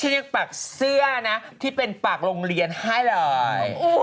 เรียกปากเสื้อนะที่เป็นปากโรงเรียนให้เลย